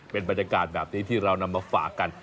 เป็นบรรยากาศแบบนี้ที่เรานำมาฝากกัน